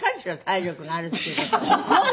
体力があるっていう事。